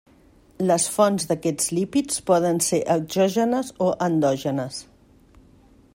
Les fonts d'aquests lípids poden ser exògenes o endògenes.